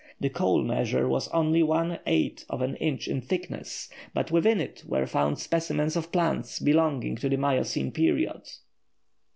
The "coal measure" was only one eighth of an inch in thickness, but within it were found specimens of plants belonging to the Miocene period.